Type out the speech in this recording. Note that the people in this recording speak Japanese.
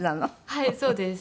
はいそうです。